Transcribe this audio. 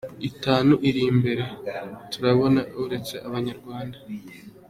itanu iri imbere turabona uretse Abanyarwanda.